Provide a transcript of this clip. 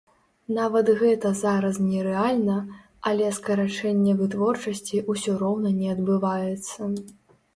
Нават гэта зараз нерэальна, але скарачэнне вытворчасці ўсё роўна не адбываецца!